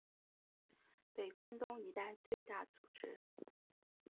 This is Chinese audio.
北关东一带最大组织。